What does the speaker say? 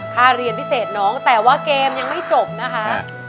ค่าเรียนพิเศษน้องแต่ว่าเกมยังไม่จบนะคะ